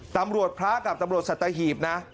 ตำรวจพระกับตำรวจสัตหีบนะ